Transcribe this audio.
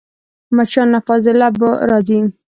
مچان له فاضلابه راځي